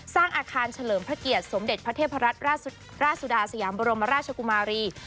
สร้างอาคารเฉลิมพระเกียรติสมเด็จพระเทพรัตนราชสุดาสยามบรมราชกุมารี